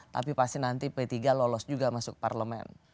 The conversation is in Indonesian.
tapi pasti nanti p tiga lolos juga masuk parlemen